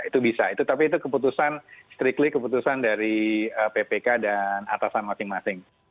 itu bisa tapi itu keputusan strictly keputusan dari ppk dan atasan masing masing